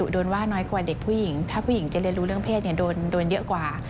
โดนว่าน้อยกว่าเด็กผู้หญิงถ้าผู้หญิงจะเรียนรู้เรื่องเพศโดนเยอะกว่า